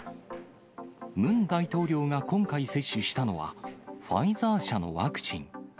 ムン大統領が今回接種したのは、ファイザー社のワクチン。